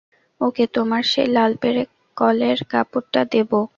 ওকে তোমার সেই লালপেড়ে কলের কাপড়টা দেব।